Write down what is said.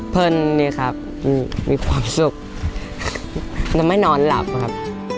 เพื่อนนี่ครับมีความสุขจะไม่นอนหลับครับ